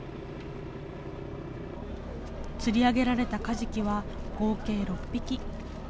釣り上げられたカジキは、合計６匹。